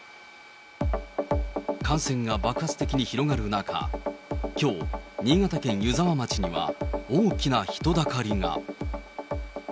感染が爆発的に広がる中、きょう、新潟県湯沢町には大きな人だかりが。